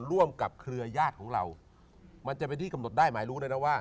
ร่วมกับเครือญาติของเรามันจะเป็นที่กำหนดได้หมายรู้เลยนะว่า